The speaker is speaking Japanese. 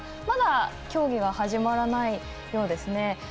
まだ競技は始まらないようですね。